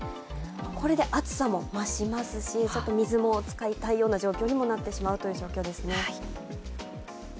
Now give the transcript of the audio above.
これで暑さも増しますし、水も使いたくなってしまうという状況ですね。